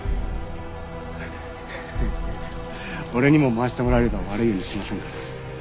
フフッ俺にも回してもらえれば悪いようにしませんから。